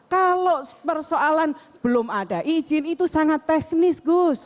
kalau persoalan belum ada izin itu sangat teknis gus